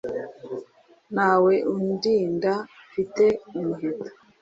nta we undinda mfite umuheto